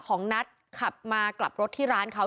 ของนัทขับมากลับรถที่ร้านเขา